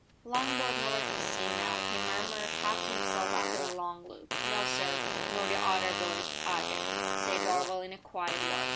"Long boat nowhere to be seen now," he murmured half to himself after a long look. "No, sir nor the other boat either," said Darvall in a quiet voice.